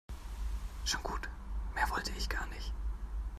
Schon gut, mehr wollte ich gar nicht.